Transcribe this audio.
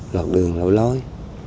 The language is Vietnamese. loạt đường lối lối